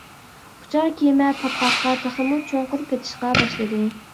ئۇچار كېمە پاتقاققا تېخىمۇ چوڭقۇر پېتىشقا باشلىدى.